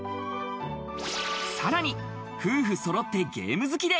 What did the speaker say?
さらに、夫婦揃ってゲーム好きで。